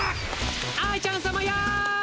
愛ちゃんさまやい。